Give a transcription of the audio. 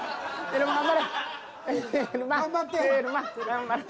頑張れ。